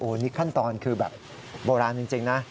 นี่ขั้นตอนคือแบบโบราณจริงนะ